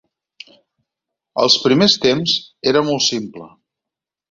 Als primers temps era molt simple.